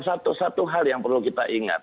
satu satu hal yang perlu kita ingat